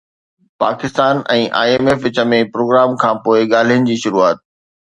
Pakistan ۽ I M F وچ ۾ programme کانپوءِ ڳالهين جي شروعات